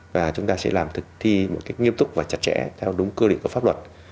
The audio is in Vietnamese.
và chúng ta sẽ làm thực thi một cách nghiêm túc và chặt chẽ theo đúng quy định của pháp luật